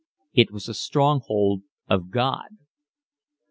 It was a stronghold of God.